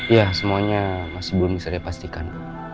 ya semuanya masih belum bisa dipastikan